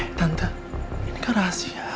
tante ini kan rahasia